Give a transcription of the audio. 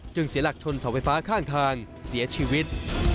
เสียหลักชนเสาไฟฟ้าข้างทางเสียชีวิต